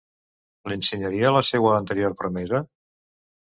L'ensenyaria la seua anterior promesa?